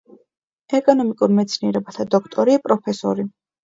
ეკონომიკურ მეცნიერებათა დოქტორი, პროფესორი.